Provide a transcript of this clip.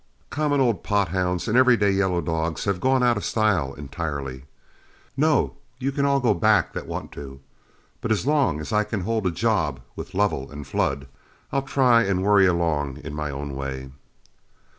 Common old pot hounds and everyday yellow dogs have gone out of style entirely. No, you can all go back that want to, but as long as I can hold a job with Lovell and Flood, I'll try and worry along in my own way."